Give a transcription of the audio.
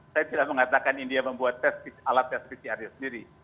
saya tidak mengatakan india membuat alat tes pcrnya sendiri